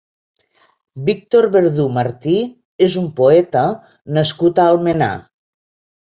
Víctor Verdú Martí és un poeta nascut a Almenar.